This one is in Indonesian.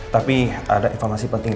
tapi ada informasi penting